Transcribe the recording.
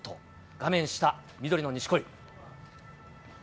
画面下、緑の錦織。